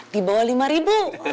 di bawah lima ribu